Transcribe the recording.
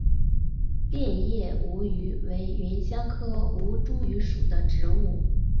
楝叶吴萸为芸香科吴茱萸属的植物。